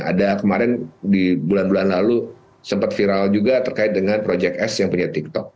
ada kemarin di bulan bulan lalu sempat viral juga terkait dengan project s yang punya tiktok